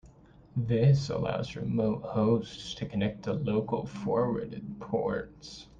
This allows remote hosts to connect to local forwarded ports.